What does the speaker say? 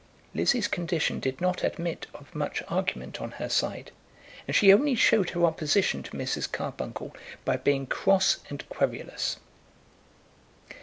Lizzie's condition did not admit of much argument on her side, and she only showed her opposition to Mrs. Carbuncle by being cross and querulous.